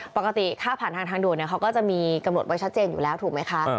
ปกติค่าผ่านทางทางด่วนเขาก็จะมีกำหนดไว้ชัดเจนอยู่แล้วถูกไหมคะ